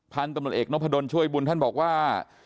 พันธุ์ตำรวจเอกนพดลช่วยบุญท่านบอกว่า